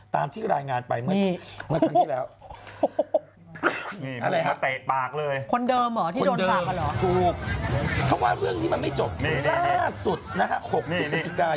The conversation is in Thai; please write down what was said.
ตามที่รายงานไปเมื่อก๔๘๒